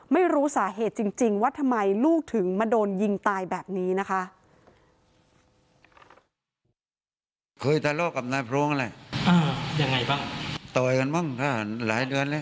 ไม่รู้สาเหตุจริงว่าทำไมลูกถึงมาโดนยิงตายแบบนี้นะคะ